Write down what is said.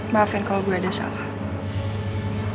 maafkan kalau gue ada salah